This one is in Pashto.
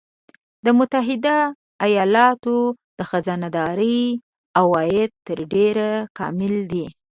د متحده ایالاتو د خزانه داری عواید تر ډېره کامل دي